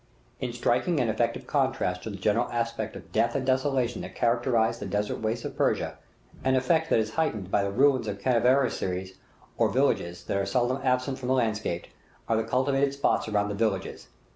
In striking and effective contrast to the general aspect of death and desolation that characterizes the desert wastes of Persia an effect that is heightened by the ruins of caravansaries or villages, that are seldom absent from the landscape are the cultivated spots around the villages.